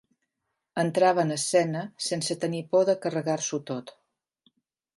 Entrava en escena sense tenir por de carregar-s'ho tot.